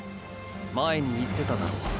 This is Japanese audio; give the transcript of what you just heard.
前に言ってただろう。